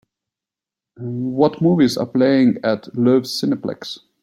What movies are playing at Loews Cineplex?